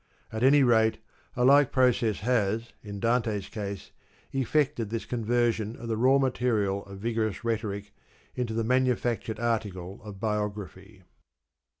At any rate a like process has, in Dante's case, effected this conversion of the raw material of vigorous rhetoric into the manufactured article of biography.